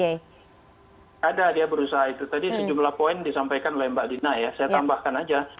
tidak ada dia berusaha itu tadi sejumlah poin disampaikan oleh mbak dina ya saya tambahkan aja